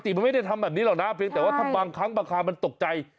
มันไม่ได้ทำแบบนี้หรอกนะเพียงแต่ว่าถ้าบางครั้งบางคราวมันตกใจ